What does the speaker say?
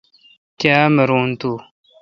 کاں مر تو۔